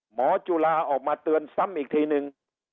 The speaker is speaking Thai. หมอจุลาเอาออกมาเตือนซ้ำอีกทีหนึ่ง